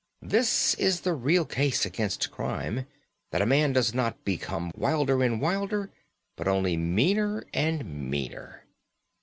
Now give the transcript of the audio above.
This is the real case against crime, that a man does not become wilder and wilder, but only meaner and meaner.